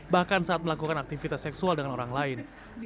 bahkan saat melakukan aktivitas seksual dengan orang lain